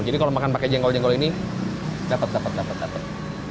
jadi kalau makan pakai jengkol jengkol ini dapet dapet dapet